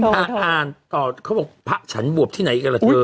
พี่อย่าอ้านเธอว่าพระฉันบวบไปไหนล่ะเธอ